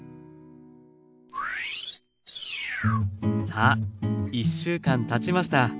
さあ１週間たちました。